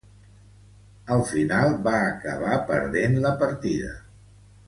Al final, va acabar perdent la partida.